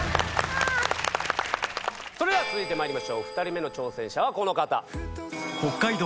それでは続いてまいりましょう２人目の挑戦者はこの方。